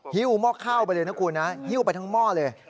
หิ้วหม้อข้าวไปเลยนะคุณนะหิ้วไปทั้งหม้อเลย